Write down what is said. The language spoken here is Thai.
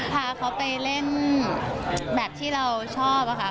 พาเขาไปเล่นแบบที่เราชอบค่ะ